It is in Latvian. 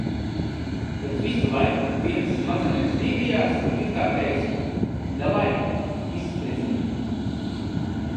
Bet visu laiku viens smadzenēs dīdījās un it kā teica, davai izspridzini.